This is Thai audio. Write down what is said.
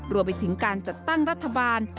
รวมไปถึงการจัดตั้งรัฐบาล